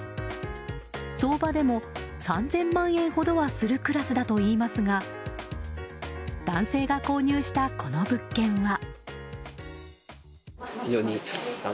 相場でも３０００万円ほどはするクラスだといいますが男性が購入したこの物件は。